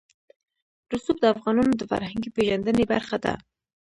رسوب د افغانانو د فرهنګي پیژندنې برخه ده.